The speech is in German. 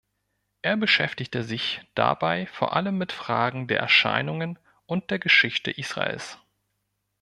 Er beschäftigte sich dabei vor allem mit Fragen der Erscheinungen und der Geschichte Israels.